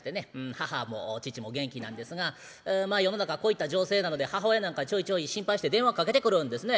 母も父も元気なんですがまあ世の中こういった情勢なので母親なんかちょいちょい心配して電話かけてくるんですね。